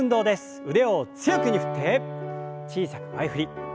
腕を強く振って小さく前振り。